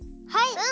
はい！